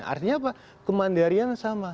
artinya apa kemandarian sama